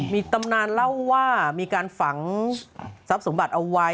มีตำนานเล่าว่ามีการฝังทรัพย์สมบัติเอาไว้